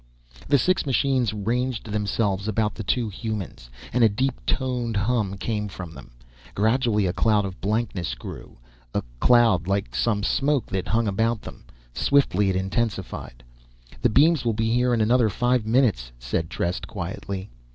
The six machines ranged themselves about the two humans, and a deep toned hum came from them. Gradually a cloud of blankness grew a cloud, like some smoke that hung about them. Swiftly it intensified. "The beams will be here in another five minutes," said Trest quietly.